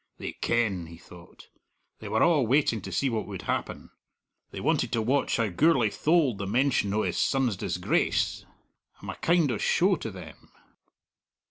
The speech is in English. "They ken," he thought. "They were a' waiting to see what would happen. They wanted to watch how Gourlay tholed the mention o' his son's disgrace. I'm a kind o' show to them."